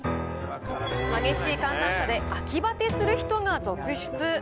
激しい寒暖差で秋バテする人が続出。